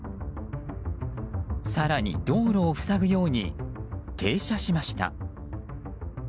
更に、道路を塞ぐように停車しました。